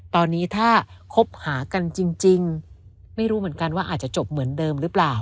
ตอนนี้ถ้าคบหากันจริงไม่รู้เหมือนกันว่าอาจจะจบเหมือนเดิมหรือเปล่า